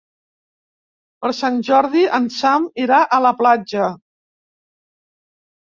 Per Sant Jordi en Sam irà a la platja.